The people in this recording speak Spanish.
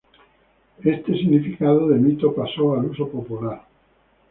Este significado de mito pasó al uso popular.